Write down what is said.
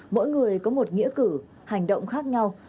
mỗi người có một nghĩa cử hành động khác nhau